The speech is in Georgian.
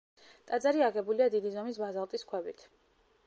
ტაძარი აგებულია დიდი ზომის ბაზალტის ქვებით.